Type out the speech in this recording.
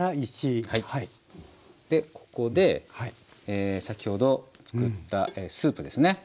でここで先ほど作ったスープですね。